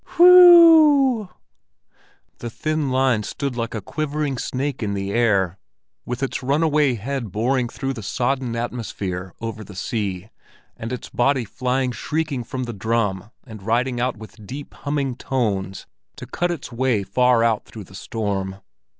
Whe e e e ew! The thin line stood like a quivering snake in the air, with its runaway head boring through the sodden atmosphere over the sea and its body flying shrieking from the drum and riding out with deep humming tones to cut its way far out through the storm.